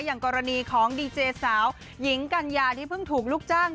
อย่างกรณีของดีเจสาวหญิงกัญญาที่เพิ่งถูกลูกจ้าง